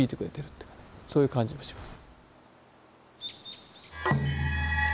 そういう感じもします。